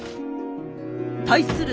対する